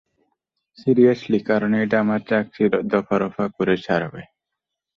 Seriously, কারণ এটা আমার চাকরির দফারফা করে ছাড়বে।